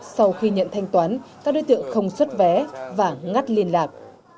sau khi nhận thanh toán các đối tượng không xuất vé và ngắt liên lạc